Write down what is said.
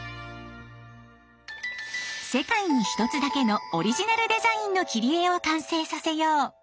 世界に１つだけのオリジナルデザインの切り絵を完成させよう。